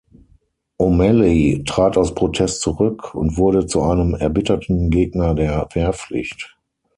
O’Malley trat aus Protest zurück und wurde zu einem erbitterten Gegner der Wehrpflicht.